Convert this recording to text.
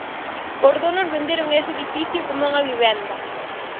Os donos venderon ese edificio como unha vivenda.